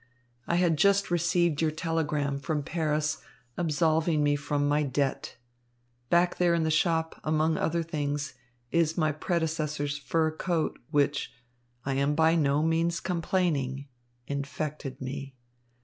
I had just received your telegram from Paris absolving me from my debt. Back there in the shop, among other things, is my predecessor's fur coat, which I am by no means complaining infected me.